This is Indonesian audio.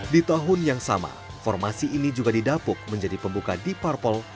di tahun yang sama formasi ini juga didapuk menjadi pembuka deep parpol